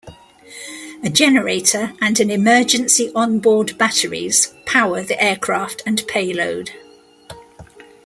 A generator and an emergency onboard batteries power the aircraft and payload.